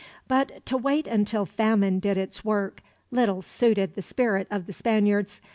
But to wait until famine did its work little suited the spirit of the Spaniards.